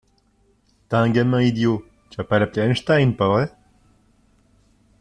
T’as un gamin idiot, tu vas pas l’appeler Einstein, pas vrai?